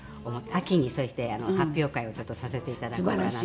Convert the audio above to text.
秋にそして発表会をちょっとさせていただこうかなと。